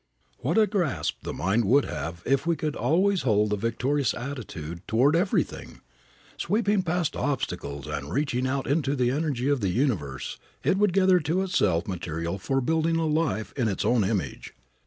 What a grasp the mind would have if we could always hold the victorious attitude toward everything! Sweeping past obstacles and reaching out into the energy of the universe it would gather to itself material for building a life in its own image.